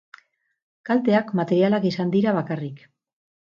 Kalteak materialak izan dira bakarrik.